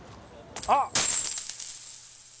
あっ。